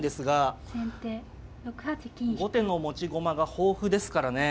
後手の持ち駒が豊富ですからね。